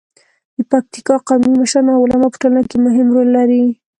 د پکتیکا قومي مشران او علما په ټولنه کې مهم رول لري.